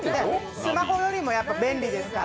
スマホよりもやっぱり便利ですから。